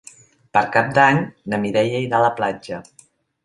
Per Cap d'Any na Mireia irà a la platja.